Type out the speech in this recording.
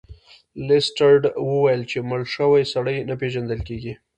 لیسټرډ وویل چې مړ شوی سړی نه پیژندل کیږي.